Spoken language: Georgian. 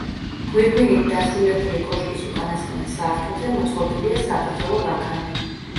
გვირგვინით დასრულებული კოშკის უკანასკნელ სართულზე მოწყობილია საბრძოლო ბაქანი.